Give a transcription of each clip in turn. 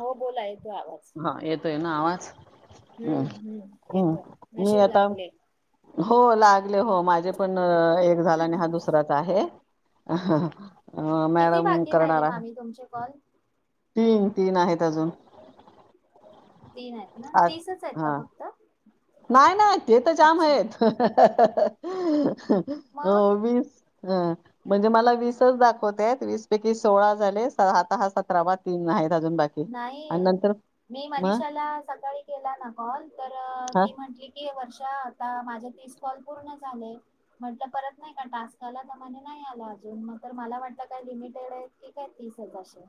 हो बोलाय. हां, येतोयना आवाज? हूं, हम्म हूं येतय, हम्म मी नशीब, आता लागले. हो लागले हो. माझे पण एक झाला आणि हा दुसराच आहे. अं- हं- हं. अं, किती मॅडम बाकी करणार राहिले आहे मामी तुमचे कॉल तीन-तीन आहेत अजून तीन आहेत ना, आज तीसच आहेत ना हा फक्त. नाही ना, ते तर जाम अच्छा आहेत [inaudible] हो मग वीस. अं, म्हणजे मला वीसच दाखवत्यात. वीस पैकी सोळा झाले. आता हा सतरावा तीन आहेत. अजून बाकी आणि नाही, नंतर मी मग मनीषाला सकाळी केला ना कॉल तर हा ती म्हंटली की, की वर्षा आता माझे तीस कॉल पूर्ण झाले. म्हंटलं परत नाही का टास्क आला, तर म्हणे नाही. नाही आला अजून, मग तर मला वाटल काय लिमिटेड हाईत की काय तीस हजारशे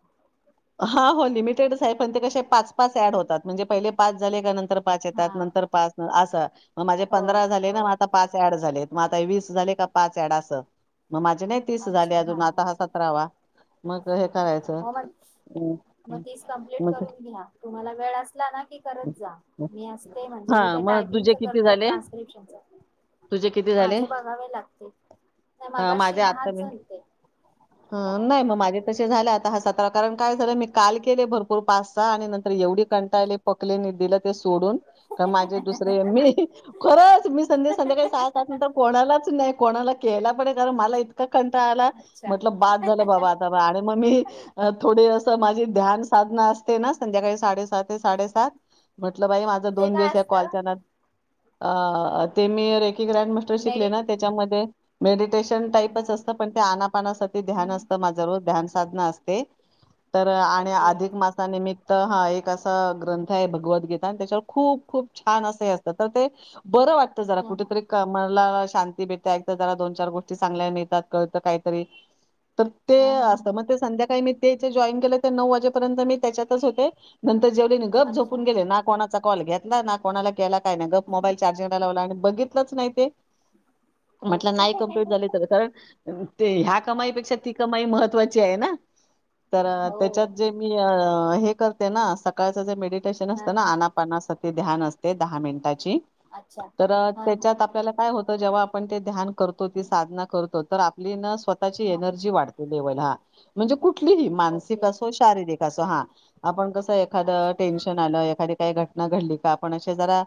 हां, हो लिमिटेडच आहे पण ते कसे पाच -पाच ॲड होतात म्हणजे पहिले पाच झाले का नंतर पाच हा येतात, नंतर पाच असं. माझे हो पंधरा झाले हो ना आता पाच ऍड झालेत. म आता हे वीस झाले का. पाच ॲड असं.. म माझे नाही तीस अच्छा झाले हा अजून. हा आता हासत राहवा मग हे करायचं. हो मग हं, मग हं. तीस कंप्लीट मग करून घ्या. तुम्हाला वेळ असला ना.. की करत जा. मी असते म्हणजे मी हां, ते मग तुझे टायपिंगच किती करते. झाले? ट्रान्स्क्रिप्शनच. तुझे किती झाले? माझे बघावे लागतील नाही मगाशी. म्हणजे अर्धा दहाच मिंट झालते हा दहा नाही. म दहा. माझे तसे झाले आता हा सात हा कारण काय झालं मी काल केले भरपूर पाच सहा आणि नंतर एवढी कंटाळले पकले मी दिल ते सोडून तर माझे दुसरे मी खरंच मी संध्या संध्याकाळी सहा सात नंतर कोणालाच नाही कोणाला केला पण नाही. मला इतका कंटाळा आला. अच्छा म्हटल बास झालं बाबा आता आणि मग मी अ थोडे ते अस माझी ध्यान साधना असते ना. संध्याकाळी साडेसहा ते साडेसात.. म्हटल बाई माझं ते दोन काय दिवस या असतं कॉलच्या नाद अ. अ. अ. ते मी की ग्रँड मास्टर शिकले ना मेडिट तेच्यामध्ये मेडिटेशन हा टाईपच हा असतं. पण ते अनापानासाठी हा ध्यान हा असतं. माझं रोज ध्यान साधना असते तर. आणि ओके अधिक मासानिमित्त हा एक असा ग्रंथ ते भगवत गीता. तेच्यावर खूप-खूप छान असे ही असत तर ते बरं वाटतं जरा हा हा कुठेतरी कामाला शांती भेटायचं एकदा जरा दोन चार गोष्टी चांगल्या मिळतात कळत काहीतरी तर ते हा हा असत हा मग ते संध्याकाळी मी तेथे जॉईन केलं ते नऊ वाजेपर्यंत मी त्याच्यातच होते नंतर जेवले नी गप अच्छा झोपून गेले ना कोणा चा कॉल घेतला ना कोणाला केला काय ना गप मोबाईल चार्जिंगला लावला आणि बघितलंच नाही ते म्हटलं ओके नाही हा कंप्लीट झाली तर कारण ते ह्या कमाईपेक्षा ती कमाई महत् [unintelligible] आहे ना तर हो तेच्यात जे मी हे करते ना सकाळच मेडी तसं हा नसतं ना हा आन्नापानासाठी ध्यान असते दहा मिनटा ची अच्छा तर हा हा त्याच्यात आपल्याला काय होत जेव्हा आपण ते ध्यान करतो ती साधना करतो तर आपली ना स्वतःची हा एनर्जी वाढते लेव्हल हा म्हणजे कुठलीही मानसिक ओके असो शारीरिक असो हा आपण कसं एखाद अच्छा टेन्शन आलं एखादे काय घटना घडली का आपण अशे जरा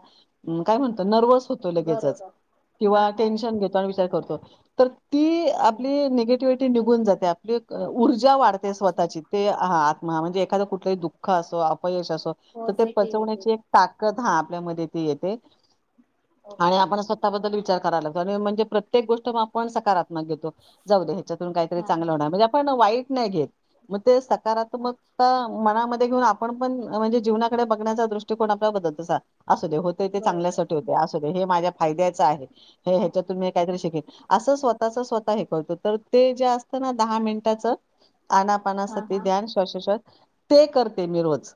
काय म्हणतो नर्वस होतो लगेचच बरोबर हा किंवा हा हा टेन्शन घेतो आणि विचार करतो तर ती हम्म. आपली निगेटिव्हटी निघून जाते आपली ऊर्जा वाढते अच्छा स्वतःची ते हा आत्मा म्हणजे एखाद कुठलंही दुःख असो अपयश असो तर ते पॉझिटिव्हिटी पचवण्याची एक ताकद हा आपल्यामध्ये ती येते. आणि ओके आपण स्वतःबद्दल विचार करायला लागतो आणि म्हणजे प्रत्ये प्रत्येक गोष्ट म आपण सकारात्मक घेतो जाऊ दे ह्याच्यातून काहीतरी हा हा चांगलं होणार म्हणजे आपण वाईट नाही घेत. मग ते हा सकारात्मकता मनामध्ये हे बघून आपण पण म्हणजे जीवनाकडे बघण्याचा दृष्टिकोन आपला बदत तसाल असू दे होत ते चांगल्यासाठी होते बरोबर असू दे हे माझ्या फायद्याच आहे हे ह्याच्यातून मी काहीतरी शिकेन असं स्वतःच स्वतः हे करतो तर ते जे असत ना दहा मिनिटाच आनापनास हा असते हा ध्यान श्वाश् ते कर तेमी रोज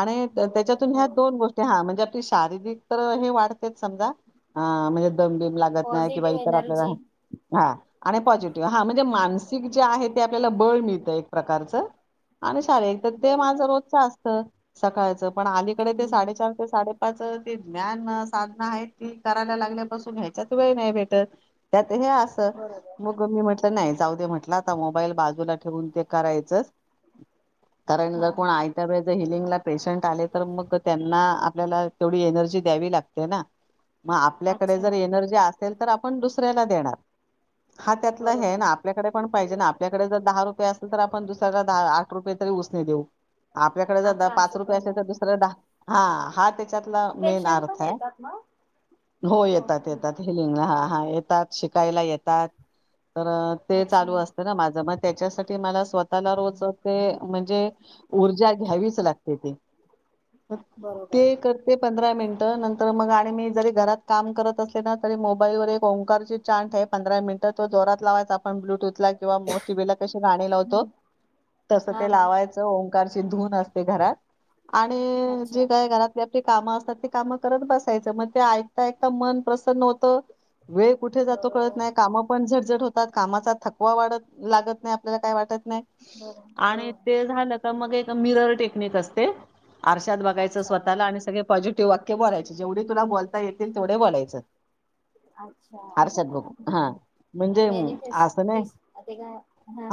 आणि बरोबर त्याच्यातून ह्या हो दोन गोष्टी हा म्हणजे आपली शारीरिक हे वाढ तचं समजा अ म्हणजे दमबीम लागत नाही किंवा पॉझिटिव्ह इतर आपल्याला एनर्जी हा आणि पॉझिटिव्ह हा म्हणजे हां. मानसिक जे आहेत ते आपल्याला बळ मिळतं एक प्रकारचं आणि शारीरिक तर ते माझं बरोबर रोजच असतं सकाळचं पण अलीकडे ते हम्म साडेचार ते साडे पाच ते ज्ञान साधना आहेत ती करायला लागल्यापासून ह्याच्यात वेळ नाही भेटत त्यात ते हे असं बरोबर मग मी म्हटलं नाही जाऊ दे म्हटलं आता मोबाईल बाजूला ठेवून ते करायचंच कारण हा जर कोण हा आयत्या वेळे जर हिलिंगला पेशंट आले तर मग त्यांना आ पल्याला तेवडी एनर्जी द्यावी लागते ना म आपल्याकडे अच्छा जर एनर्जी असेल तर आपण दुसऱ्याला देणार हा त्यातला हे बरोबर ना आपल्याकडे पण पाहिजे ना आपल्याकडे जर दहा रुपये असेल तर आपण दुसऱ्याला दहा आठ रुपये तर उसणे देऊ आपल्याकडे जर द अच्छा पाच असं रूपये पण असेल तर आहे दुसरे दहा हा ते हा ते च्यातला मेण पेशंट अर्थ पण आहे येतात मग हो येतात ओके येतात हेलिंगला हा हा ये तात शिकायला येतात तर ते अच्छा चालू असत ना माझ म त्याच्यासाठी मला स्वतःला रोज ते म्हणजे उर्जा घ्यावीच लागते ते कर बरोबर ते करते पंधरा मिंटानंतर मग आणि मी जरी घरात काम करत असले ना तरी मोबाईल वर एक ओंकारची ची चाट आहे पंधरा मिंटात तो जोरात लावायचं आपण ब्लू टूथला किंवा मग टीव्हीला कशी गाणी लावतो हम्म तस हा ते हा लावायच ओं कारची धून असते घरात आणि जे अच्छा काय घरातल्या ती काम असतात ते काम करत बसायच मग ते ऐकता ऐकता मन प्रसन्न होतं वेळ कुठे जातो कळत बरोबर नाही काम पण झटझट होतात कामाचा थकवा वाढत लागत नाही आपल्याला काय वाटत नाय बरोबर हो आणि ते झालं का मग एक मिरर टेक्निक असते आरशात बघायचं अच्छा स्वतःला आणि सगळे पॉझिट ते वाक्य बोलायचे जेवढे तुला बोलता येतील तेवढे बोलायचं आरशात अच्छा बघुन हा ते म्हणजे मी मॅनिफेस्ट अस नाही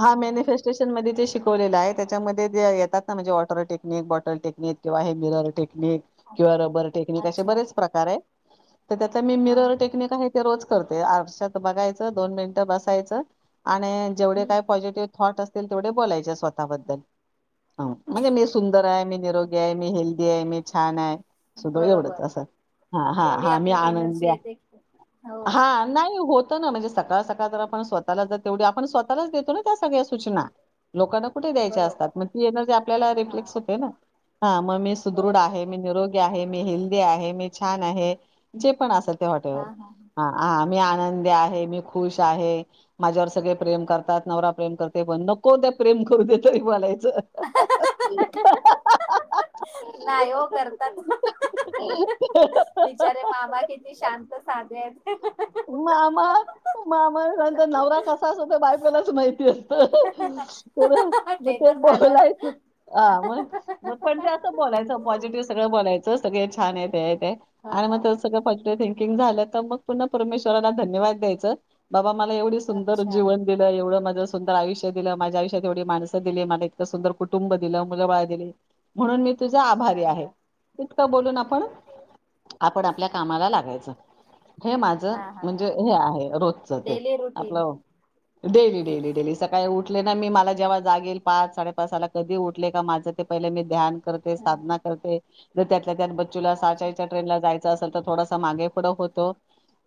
हा मेंने फेस्टेशनमध्ये जे शिक कवलेला आहे त्याच्यामध्येे ते येतात ना म्हणजे वॉटर टेक्निक बॉटल टेक्निक किंवा हे मिररटेक निक किंवा रबर टेकनिक असे अच्छा बरेच प्रकार आहे. तर त्यातला मी हा मिरर टेक्निक आहे ते रोज करते आठशात बघायचं दोन मिनिटं बसायचं. आणि जेवढे हम्म काय पॉझिटिव्ह थॉट असतील तेवढे बोलायचे स्वतःबद्दल ह म्हणजे मी सुंदर आहे मी निरोगी आहे मी हेल्दी आहे मी छान आहे. सुधो एवढंच बरोबर असं हा हा तेवढी हा मी आपल्यात आनंदी एनर्जी आहे. येते हो हा नाही होत. तना म्हणजे सकाळ सकाळ तर आपण स्वतःला ज तेवढी आपण स्वतःच देतो ना त्या सगळ्या सूचना लोकांना कुठे द्यायच्या असतात बरोबर मग ती एनर्जी आपल्याला हा रिफ्लेक्स होते ना. हा मग मी सुदृढ बरोबर आहे मी निरोगी आहे मी हेल्दी आहे मी छान आहे जे पण असल. त्या हॉटेलवर हा हा ह हा मी आनंदी आहे मी खु खुश आहे माझ्यावर सगळे प्रेम करतात नवरा प्रेम करते पण नको ते प्रेम. होते तरी बलायचं. नाही हो करतात हाहाहाहा. बिचारे मामा किती शांत साधे आहेत. उमामा मामा नंतर नवरा कसास होतो बायकोलाच माहिती अस. तर मग ते तर झालंच बोलायचं मग मग पण ते असं बोलायचं पॉझिटिव्ह. सगळं बोलायचं सगळे छान आहेत हे आहे ते आहे हा आणि म हा त सगलं पाॅझिटीव्ह थिंकिंग झालं त मग पुन्हा परमेश्वराला धन्यद द्यायचं बाबा मला एवढे सुंदर अच्छा जीवन दिलं एवढं मा झ सुंदर आयुष्य दिलं माझ्या आयुष्यात एवढे माणसं दिली मला इतक सुंदर कुटुंब दिलं मुलं बाळ दिले. तुझा हा आभारी आहे हा तितकं बोलून आपण आपण आपल्या कामाला लागायच हे माझ. हा हा म्हणजे हा हे आहे रोजच ते डेली रुटीन आपलं. डेली डेली डेली सकाळी उठले ना मी मला जेव्हा जागे. कधी मी ध्यान करते साधना करते. त्यात बच्चूला अच्छा साचाच्या ट्रेन ला जायचं असेल तर थोडासा मागे फडं होतो.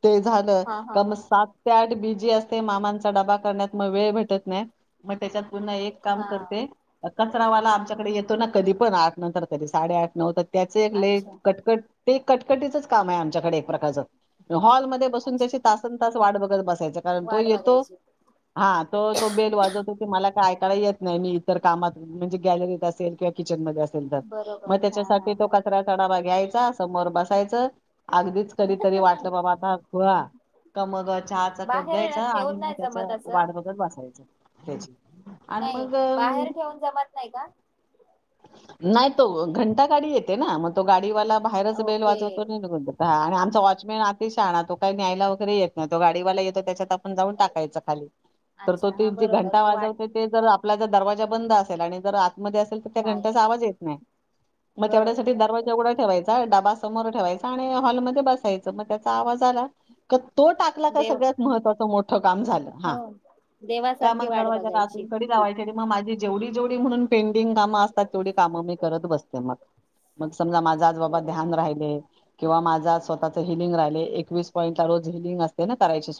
झा हा हा क हा सातठ. बी असते मामांचा डबा कर मग वेळ भेटत नाही मग त्याच्यात पुन्हा एक काम हा करते कचरावाला आमच्याकडे येतो ना कधी पण आठ नंतर तरी साडे आठ नऊ त्याच एक ले अच्छा कटकट ते कटकटीचच काम आहे आमच्याकडे एक प्रकारच हॉल. बसून त्या अच्छा तास त वाट बघत बसायचा कारण तो वाट येतो. बघायची हा तो तो बेल वाजवत होती मला काय? येत नाही मी इतर कामात म्हणजे गॅलरीत असेल किंवा किचनमध्येध्ये असे. बरोबर मग हा हा त्याच्यासाठी तो हा कचरा चढावा घ्यायचा समोर बसायचं. अगदीच कधीतरी वाटलं बाबा आता थड. कमग चहाचा कप बाहेर घ्यायचा आणि ठेवून मग नाही त्याचा जमत असं वाट बघत बसायच त्याची आणि नाही मग अं, बाहेर ठेऊून जमत नाही का. नाही तो घंटा गाडी येते ना मग तो गाडीवाला बाहेरच बेल ओके वाजवतो नाहीघून हा आणि आमचा वॉचमॅन शाणा तो काय न्यायला वगैरे येत नाही तो गाडीवाला येतो त्याच्यात टाकायचा खाली तर तो अच्छा हा बरोबर घंटा मग वाट वाजवतो. आपला ज दरवाजा बंद असेल आणि जर आतमध्ये असेल तर त्या नाही घंट्याचा आवाज येत नाही. मग बरोबर तेवढ्यासाठी दरवाजा बरोबर उघडा ठेवायचा डबबा समोर ठेवायचा. हॉलमध्ये बसायच मग त्याचा आवाज आला तो टाकला का देव सगळ्यात महत्त्वाचं मोठं. काय हो म देवासारखी वाट दरवाजा बघायची आतून कडी लावायची माझी जेवढी जेवढी म्हणून पेंडिंग काम असतात तेवी काम मी करत बसते मग सजा माझा आज बरोबर बाबा ्यान राहिले किंवा माझा स्वतःच हिलिंग राहि. एकवीस बिलिंग करायच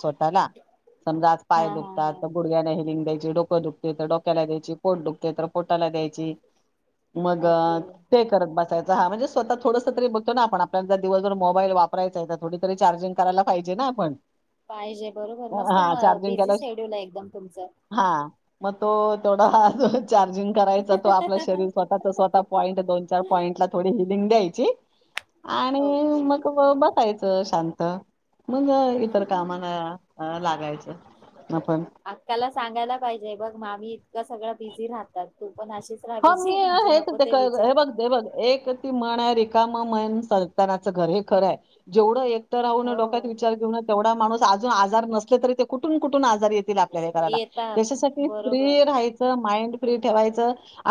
स्वत समजा आज हा पाय हा दुखतात हा तर गुडग्याना हे लिंगाय डोकं दुखते तर डोक्याला द्याची पोट दुखते. होटाला द्यायची मग ओके ते करत बसाय. हां म्हणे स्वतः थोडं त बघतो ना. आपला दिवसभर मोबाईल वा वापरायचा थोडीरी तरी चार्जिंग करायला पाहिजे ना आपण. पाहिजे बरोबर मस्त हा चार्जिंग बिझी केल्या शेड्यूल आहे एकदम तुमचं. हा मग तो. थोडा चार्जिंग करायचा. तो आपलं शरीर स्वतःचा-स्वतः पॉईंट दोन चार पॉईंट ला थोडी हिलिंग द्यायची. आणि ओके मग. रहायचं शांत मग इतर कामाना लागायचं. आपण अक्काला सांगायला पाहिजे. हे बघ मामी इतकं सगळं बिझी राहतात तू पण अशीच राहा हा मी. बिझी म्हणजे हेच नको ते विचार हे बघ. हे बघ. एक ती म्हण आहे. रिकाम मन सतानाच घर. हे खरं आहे. जेवढं एक एकट राहून हो डोक्यात विचार घेऊंन. तेवढा माणूस अजून आजार नसले तरी ते कुठून-कुठून आजार येतील आपल्या ही घराल. येतात त्याच्यासाठी फ्री बरोबर राहायचं. माइंड फ्री ठेवायच.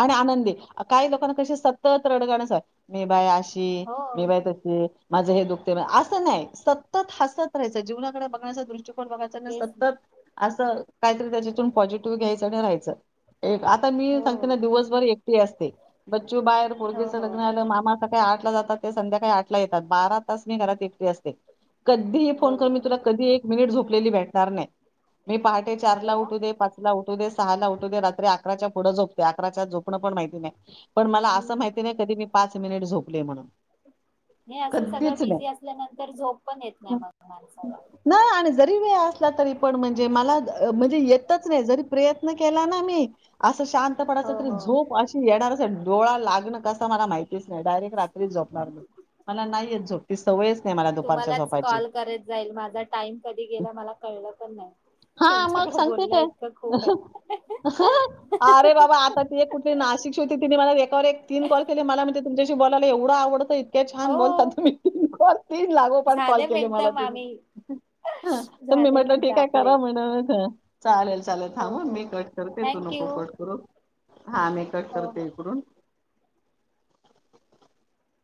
आनंदी काही लोकांना कशी सतत रडगाणच मी बाय अशी. हो मी बाय तशी. माझं हे दुःखते असं नाही. सतत हसत राहायचं जीवनाकडे बघण्याच्या दृष्टी कोन बघायच तेच सतत ना अस. काहीतरी त्याच्यातून पॉझिटिव्ह घ्यायचं आणि राहायचं. एक आता मी हो सांगते ना दिवसभर एकटी असते. बच्चू बाहेर हो बोडगेच हो लग्न आलं मामा सकाळी आठ ला जातात. ते संध्याकाळी आठ ला येतात. बारा तास मी घरात एकटी असते. कधीही फोन कर मी बरोबर तुला. कधी ही एक मिनिट झोपलेली भेटणार नाही. मी पहाटे चारला अरे वा उठू दे. पाचला उठू दे. सहाला उठू दे. रात्री अकराच्या पुढं झोपते अकराच्या आत झोप पण माहिती नाही. पण मला हम्म असं माहिती नाही कधी मी पाच मिनिट झोपले म्हणून. नाही असं सगळं कधीच नाही. बिझी असल्यानंतर झोप पण येत नाही मग. माणसाला. नाही आणि जरी वेळ असला तरी. पण म्हणजे मला म्हणजे येतच नाही जरी प्रयत्न केला ना मी असं शांतपणाच हो तरी. हो. झोप अशी येणार डोळा लागणं कसं मला माहिती नाही डायरेक्ट रात्रीच झोपणार मी. मला नाही येत झोप ती सवयच नाही मला दुपारच्या तुम्हालाच झोपायची. कॉल करत जाईल. माझा टाइम कधी गेला मला क कळलं पण नाही. हा मग तुमच्याकडे सांगते बोलण्या काय. इतकं खूप आहे. अरे बाबा आता ते कुठे नाशिक ची होती. तिने मला एकावर एक तीन कॉल केले. मला म्हणली तुच्याशी बलायला एवढं आवडतं. इतक छान बोलता हो तुम्ही. तीन कॉल तीन लागोपाठ कॉल झाले केले मिनटं मला तीने. मामी. हा तर मी झाले म्हटल. की मिनटं काय आपले करा म्हणत. चालेल चालेल. हो थांब हा हो मी कट करते. तू थँक नको यू कट करू. हा मि कट हो करते हो. इकडुन.